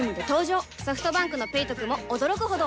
ソフトバンクの「ペイトク」も驚くほどおトク